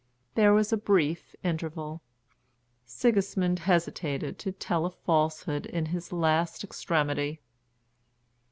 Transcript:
There was a brief interval. Sigismund hesitated to tell a falsehood in his last extremity.